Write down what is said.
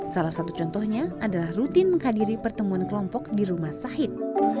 salah satu contohnya adalah rutin menghadiri pertemuan kelompok di rumah sahid